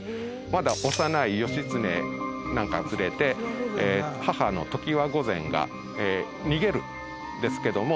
まだ幼い義経なんかを連れて母の常盤御前が逃げるんですけども。